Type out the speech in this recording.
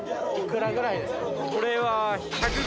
これは。